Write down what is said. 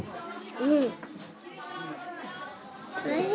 うん。